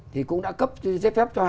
thì cũng đã cấp giấy phép cho hai